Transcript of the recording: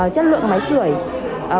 chất lượng máy sửa